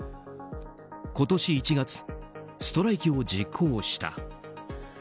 今年１月、ストライキを実行した。